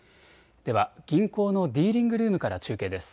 では銀行のディーリングルームから中継です。